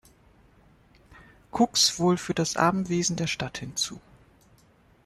Kux wohl für das Armenwesen der Stadt hinzu.